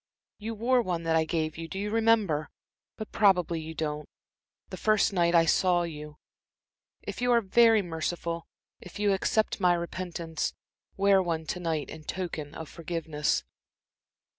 You wore one that I gave you do you remember? but probably you don't the first night I saw you. If you are very merciful, if you accept my repentance, wear one to night in token of forgiveness."